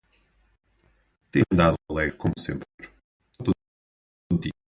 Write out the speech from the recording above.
Tem andado alegre, como sempre; é uma tontinha.